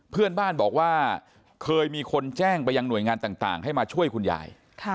เพื่อนบ้านบอกว่าเคยมีคนแจ้งไปยังหน่วยงานต่างให้มาช่วยคุณยาย